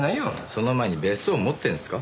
その前に別荘持ってるんですか？